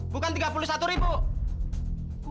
bukan tiga puluh satu ribu